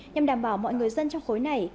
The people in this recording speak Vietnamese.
nhằm đảm bảo mọi người dân trong khối này